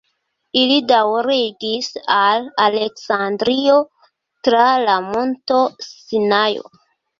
Ili daŭrigis al Aleksandrio tra la Monto Sinajo.